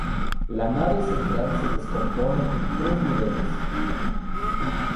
La nave central se descompone en tres niveles.